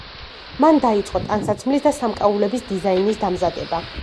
მან დაიწყო ტანსაცმლის და სამკაულების დიზაინის დამზადება.